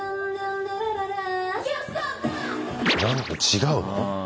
何か違うの？